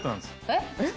えっ？